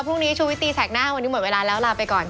ชูวิตตีแสกหน้าวันนี้หมดเวลาแล้วลาไปก่อน